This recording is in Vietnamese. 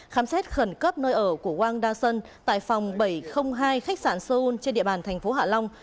khám xét khẩn cấp nơi ở của wang da shen tại phòng bảy trăm linh hai khách sạn seoul trên địa bàn thành phố hạ long